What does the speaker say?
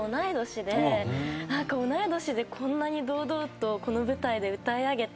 同い年でこんなに堂々とこの舞台で歌い上げて。